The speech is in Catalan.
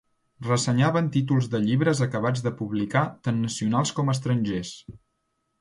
Ressenyaven títols de llibres acabats de publicar tant nacionals com estrangers.